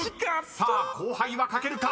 ［さあ後輩は書けるか？